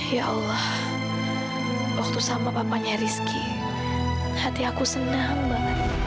ya allah waktu sama papanya rizky hati aku senang banget